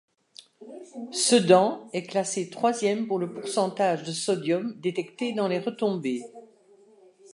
Sedan est classé troisième pour le pourcentage de Na détecté dans les retombées.